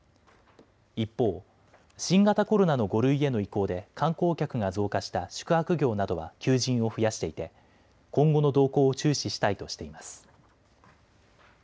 一方、新型コロナの５類への移行で観光客が増加した宿泊業などは求人を増やしていて今後の動向を注視したいとしています。